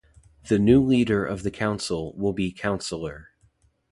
The new leader of the council will be Cllr.